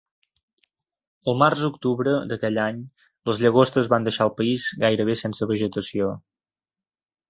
Al març-octubre d'aquell any, les llagostes van deixar el país gairebé sense vegetació.